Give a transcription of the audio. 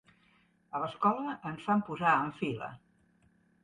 A l'escola ens fan posar en fila.